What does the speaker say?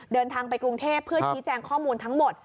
เดินทางไปกรุงเทพเพื่อชี้แจงข้อมูลทั้งหมด